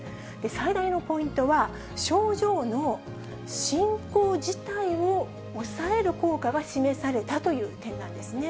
最大のポイントは、症状の進行自体を抑える効果が示されたという点なんですね。